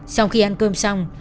sau khi ăn cơm xong